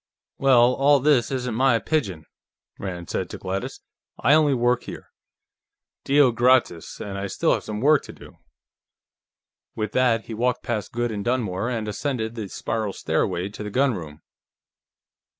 "Well, all this isn't my pidgin," Rand said to Gladys. "I only work here, Deo gratias, and I still have some work to do." With that, he walked past Goode and Dunmore and ascended the spiral stairway to the gunroom.